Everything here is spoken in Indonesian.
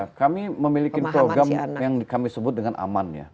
ya kami memiliki program yang kami sebut dengan aman ya